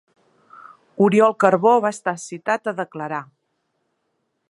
Oriol Carbó va estar citat a declarar